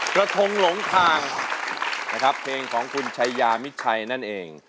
กระทงหลงทางนะครับเพลงของคุณชายามิดชัยนั่นเอง